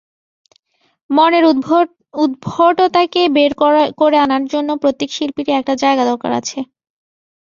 মনের উদ্ভটতাকে বের করে আনার জন্য প্রত্যেক শিল্পীর-ই একটা জায়গা দরকার।